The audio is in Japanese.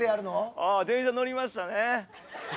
ああ電車乗りましたね。